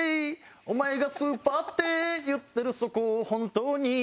「お前がスーパーって言ってるそこ本当に」